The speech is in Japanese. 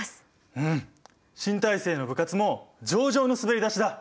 うん新体制の部活も上々の滑り出しだ。